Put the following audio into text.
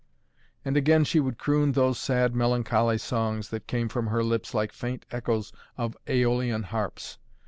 And again she would croon those sad melancholy songs that came from her lips like faint echoes of Aeolian harps.